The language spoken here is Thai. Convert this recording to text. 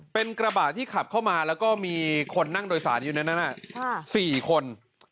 เป็นกระบะที่ขับเข้ามาแล้วก็มีคนนั่งโดยสารอยู่ในนั้น๔คน